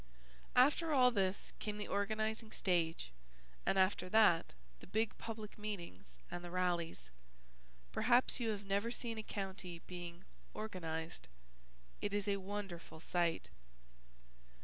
After all this came the organizing stage and after that the big public meetings and the rallies. Perhaps you have never seen a county being "organized." It is a wonderful sight.